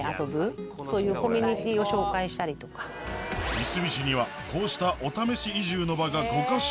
いすみ市にはこうしたお試し移住の場が５か所